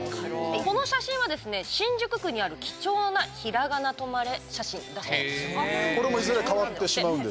この写真は新宿区にある貴重なひらがな「とまれ」写真です。